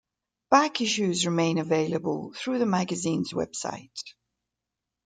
Back issues remain available through the magazine's website.